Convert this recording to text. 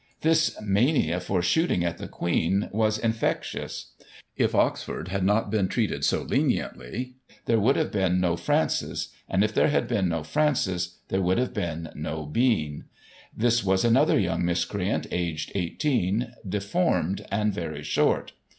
This mania for shooting at the Queen was infectious. If Oxford had not been treated so leniently, there would have been no Francis ; and if there had been no Francis, there would have been no Bean. This was another young mis creant, aged 18, deformed, and very short.